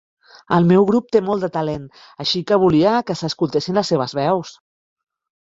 El meu grup té molt de talent, així que volia que s"escoltessin les seves veus.